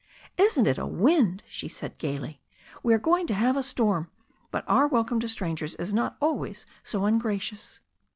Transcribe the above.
"Isn't it a wind?" she cried gaily. "We are going to have a storm. But our welcome to strangers is not always so ungracious."